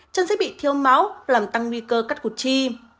chân sẽ bị thiếu máu làm tăng nguy cơ cắt cụt chi